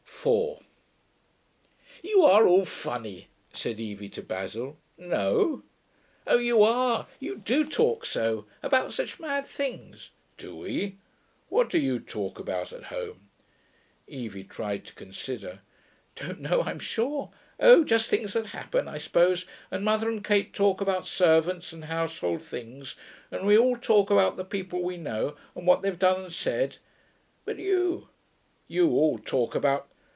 4 'You are all funny,' said Evie to Basil. 'No?' 'Oh, you are. You do talk so.... About such mad things.' 'Do we? What do you talk about at home?' Evie tried to consider. 'Don't know, I'm sure. Oh, just things that happen, I suppose; and mother and Kate talk about servants and household things, and we all talk about the people we know, and what they've done and said. But you ... you all talk about....'